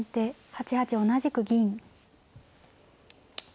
８八同じく銀。